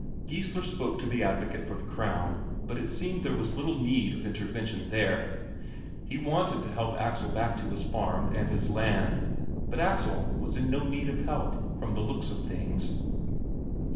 Geissler spoke to the advocate for the Crown, but it seemed there was little need of intervention there; he wanted to help Axel back to his farm and his land, but Axel was in no need of help, from the looks of things.